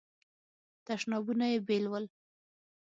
تشنابونه یې بیل ول.